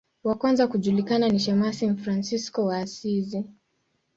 Wa kwanza kujulikana ni shemasi Fransisko wa Asizi.